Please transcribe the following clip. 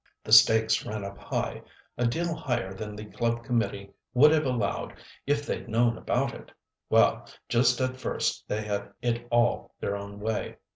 The stakes ran up high—a deal higher than the club committee would have allowed if they'd known about it. Well, just at first they had it all their own way.